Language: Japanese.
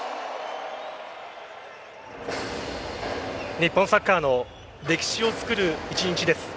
日本サッカーの歴史を作る一日です。